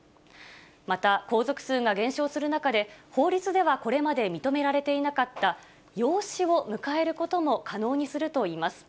また皇族数が減少する中で、法律ではこれまで認められていなかった、養子を迎えることも可能にするといいます。